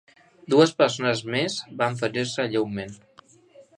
Dues persones més van ferir-se lleument.